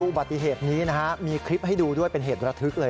อุบัติเหตุนี้นะฮะมีคลิปให้ดูด้วยเป็นเหตุระทึกเลย